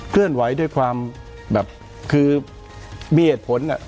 เคลื่อนไหวด้วยความแบบคือมีเหตุผล